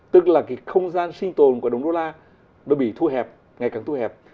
tức là cái không gian sinh tồn của đồng đô la nó bị thu hẹp ngày càng thu hẹp